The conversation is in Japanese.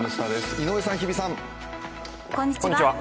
井上さん、日比さん。